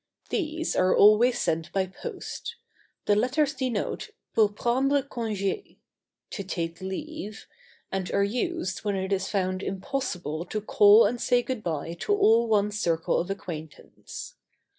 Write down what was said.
These are always sent by post. The letters denote pour prendre congé ("to take leave"), and are used when it is found impossible to call and say goodbye to all one's circle of acquaintance.